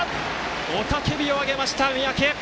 雄たけびを上げました三宅。